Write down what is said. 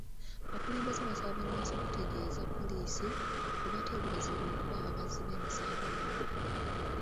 Abakulembeze baasaba bannansi okutegeeza poliisi ku bateeberezebwa okuba abazzi b'emisango mu bbo.